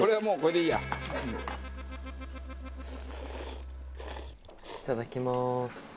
いただきます。